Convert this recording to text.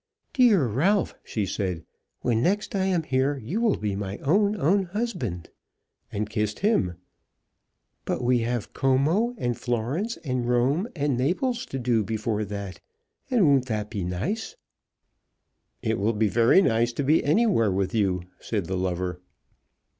"Dear Ralph," she said, "when next I am here, you will be my own, own husband," and kissed him; "but we have Como, and Florence, and Rome, and Naples to do before that; and won't that be nice?" "It will be very nice to be anywhere with you," said the lover.